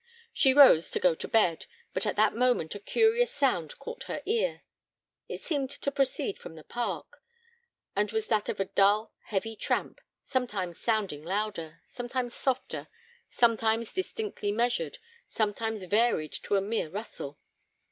She rose to go to bed, but at that moment a curious sound caught her ear. It seemed to proceed from the park, and was that of a dull, heavy tramp, sometimes sounding louder, sometimes softer, sometimes distinctly measured, sometimes varied into a mere rustle.